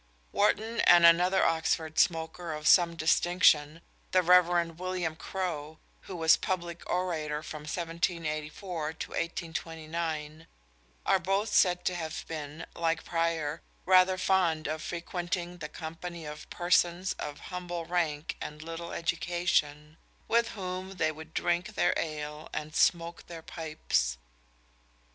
_ Warton and another Oxford smoker of some distinction the Rev. William Crowe, who was Public Orator from 1784 to 1829 are both said to have been, like Prior, rather fond of frequenting the company of persons of humble rank and little education, with whom they would drink their ale and smoke their pipes.